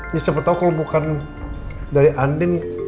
ya siapa tau kalau bukan dari andin